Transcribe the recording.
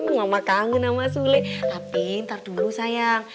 mama kangen sama sule tapi ntar dulu sayang